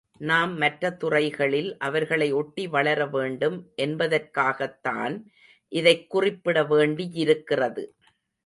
நாம் மற்ற துறைகளில் அவர்களை ஒட்டி வளரவேண்டும் என்பதற்காகத்தான் இதைக் குறிப்பிடவேண்டி யிருக்கிறது.